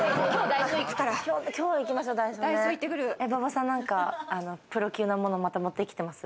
馬場さんなんかプロ級なもの、また持ってきてます？